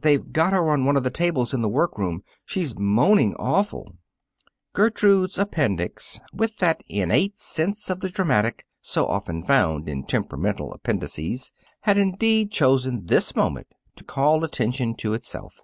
"They've got her on one of the tables in the workroom. She's moaning awful." Gertie's appendix, with that innate sense of the dramatic so often found in temperamental appendices, had indeed chosen this moment to call attention to itself.